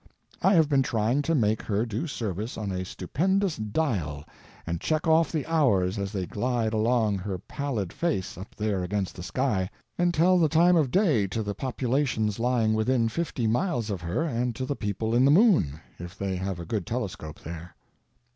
I have been trying to make her do service on a stupendous dial and check off the hours as they glide along her pallid face up there against the sky, and tell the time of day to the populations lying within fifty miles of her and to the people in the moon, if they have a good telescope there.